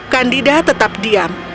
candida tetap diam